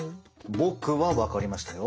僕は分かりましたよ。